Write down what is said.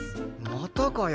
またかよ。